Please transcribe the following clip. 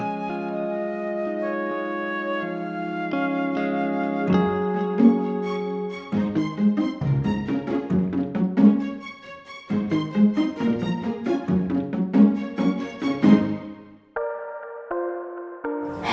bunga dari siapa juga